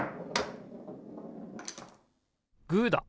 グーだ！